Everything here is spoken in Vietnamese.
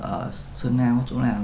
ở sơn la có chỗ nào